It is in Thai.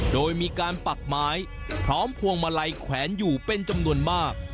โดยมีการปักไม้พร้อมพวงมาลัยแขวนอยู่เป็นจำนวนมาก